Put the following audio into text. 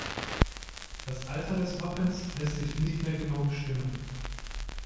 Das Alter des Wappens lässt sich nicht mehr genau bestimmen.